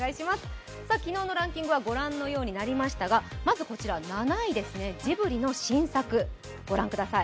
昨日のランキングはご覧のようになりましたがまずこちら、７位ですね、ジブリの新作ご覧ください。